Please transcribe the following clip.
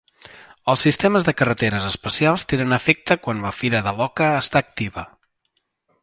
Els sistemes de carreteres especials tenen efecte quan la Fira de l'Oca està activa.